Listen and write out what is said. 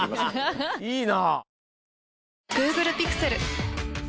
いいな。